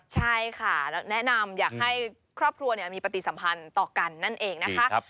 ใช่ค่ะแนะนำอยากให้ครอบครัวมีปฏิสัมพันธ์ต่อกันนั่นเองนะคะ